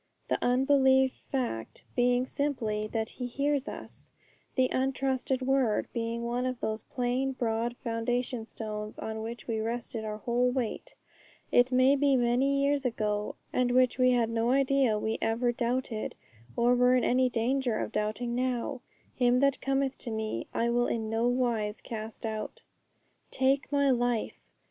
The unbelieved fact being simply that He hears us; the untrusted word being one of those plain, broad foundation stones on which we rested our whole weight, it may be many years ago, and which we had no idea we ever doubted, or were in any danger of doubting now, 'Him that cometh to Me I will in no wise cast out.' 'Take my life!'